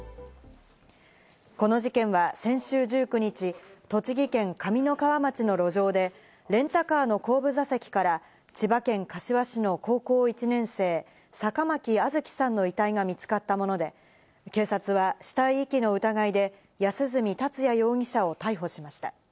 この事件は、先週１９日、栃木県上三川町の路上でレンタカーの後部座席から千葉県柏市の高校１年生・坂巻杏月さんの遺体が見つかったもので、警察は死体遺棄の疑いで安栖達也容疑者を逮捕しました。